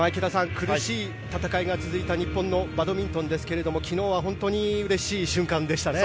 苦しい戦いが続いた日本のバドミントンですが昨日は本当にうれしい瞬間でしたね。